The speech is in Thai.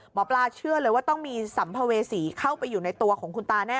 หมอปลาเชื่อเลยว่าต้องมีสัมภเวษีเข้าไปอยู่ในตัวของคุณตาแน่